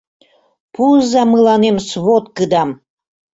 Пуыза мыланем сводкыдам!